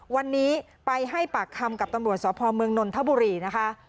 วันนี้ไปให้ปากคำกับตำรวจสพเมืองนนทบุรีนะคะ